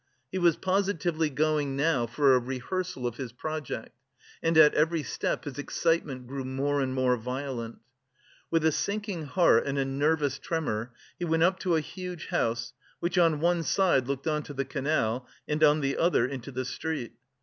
He was positively going now for a "rehearsal" of his project, and at every step his excitement grew more and more violent. With a sinking heart and a nervous tremor, he went up to a huge house which on one side looked on to the canal, and on the other into the street.